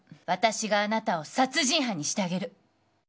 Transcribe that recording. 私があなたを殺人犯にしてあげる。